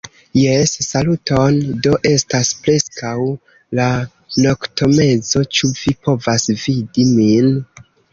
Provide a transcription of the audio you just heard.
Jes, saluton. Do estas preskaŭ la noktomezo. Ĉu vi povas vidi min?